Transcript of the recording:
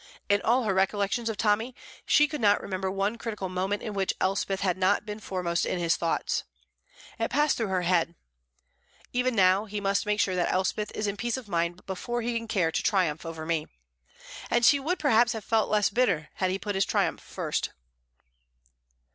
In all her recollections of Tommy she could not remember one critical moment in which Elspeth had not been foremost in his thoughts. It passed through her head, "Even now he must make sure that Elspeth is in peace of mind before he can care to triumph over me," and she would perhaps have felt less bitter had he put his triumph first.